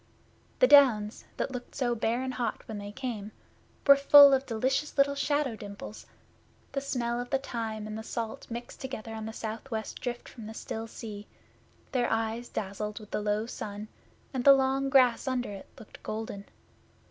The Downs, that looked so bare and hot when they came, were full of delicious little shadow dimples; the smell of the thyme and the salt mixed together on the south west drift from the still sea; their eyes dazzled with the low sun, and the long grass under it looked golden.